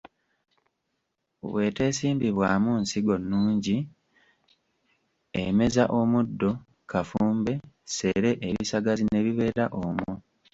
Bw'etesimbibwamu nsigo nnungi, emeza omuddo, kafumbe, ssere, ebisagazi, ne bibeera omwo.